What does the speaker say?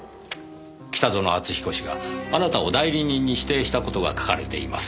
北薗篤彦氏があなたを代理人に指定した事が書かれています。